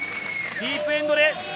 ディープエンドで。